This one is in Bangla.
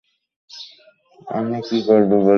আমরা কী করবো, বলি।